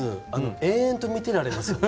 延々に見てられますよね